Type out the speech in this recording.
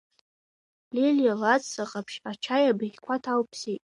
Лилиа лаҵәца ҟаԥшь ачаи абыӷьқәа ҭалԥсеит.